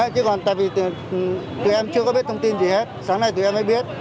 chứ còn tại vì tụi em chưa có biết thông tin gì hết sáng nay tụi em mới biết